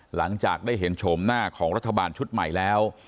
หลังจากได้เห็นโฉมหน้าของรัฐบาลชุดใหม่แล้ว